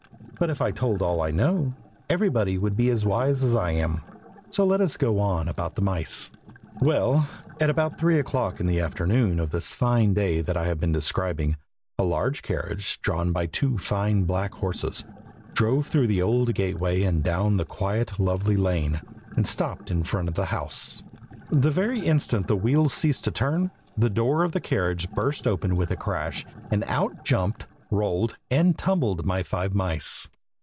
But if I told all I know, everybody would be as wise as I am, so let us go on about the mice. [Illustration: FLUFF AND PUFF.] Well, at about three o'clock in the afternoon of this fine day that I have been describing, a large carriage, drawn by two fine black horses, drove through the old gateway and down the quiet, lovely lane, and stopped in front of the house. The very instant the wheels ceased to turn, the door of the carriage burst open with a crash, and out jumped, rolled, and tumbled my five mice.